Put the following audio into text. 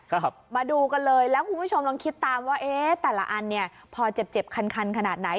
ครับมาดูกันเลยแล้วคุณผู้ชมลองคิดตามว่าเอ๊ะแต่ละอันเนี้ยพอเจ็บเจ็บคันคันขนาดไหน